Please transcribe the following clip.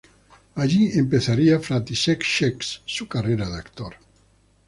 Allí empezaría František Čech su carrera de actor.